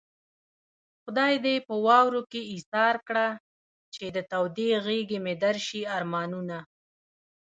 خدای دې په واورو کې ايسار کړه چې د تودې غېږې مې درشي ارمانونه